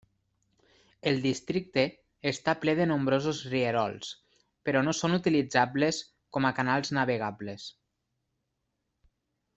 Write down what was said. El districte està ple de nombrosos rierols, però no són utilitzables com a canals navegables.